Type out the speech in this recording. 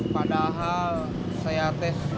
padahal saya tes